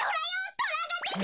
トラがでた！